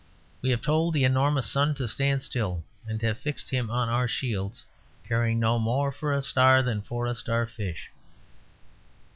We have told the enormous sun to stand still; we have fixed him on our shields, caring no more for a star than for a starfish.